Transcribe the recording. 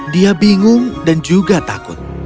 dia bingung dan juga takut